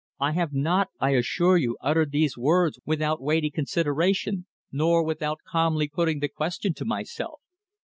I have not, I assure you, uttered these words without weighty consideration, nor without calmly putting the question to myself.